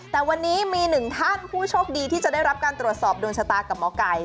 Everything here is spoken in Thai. แต่วันนี้มีหนึ่งท่านผู้โชคดีที่จะได้รับการตรวจสอบดวงชะตากับหมอไก่